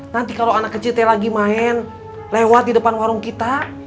nanti kalau anak kecilnya lagi main lewat di depan warung kita